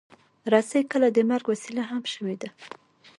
رسۍ کله د مرګ وسیله هم شوې ده.